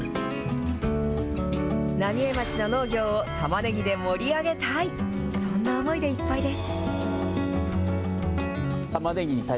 浪江町の農業を、たまねぎで盛り上げたい、そんな思いでいっぱいです。